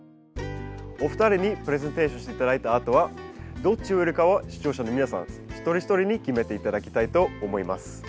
お二人にプレゼンテーションして頂いたあとはどっち植えるかは視聴者の皆さん一人一人に決めて頂きたいと思います。